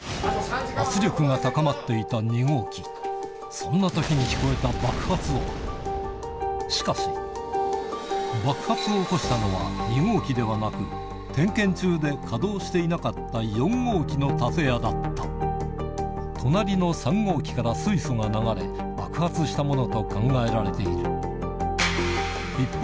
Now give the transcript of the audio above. そんな時に聞こえたしかし爆発を起こしたのは２号機ではなく点検中で稼動していなかった４号機の建屋だった隣の３号機から水素が流れ爆発したものと考えられている一方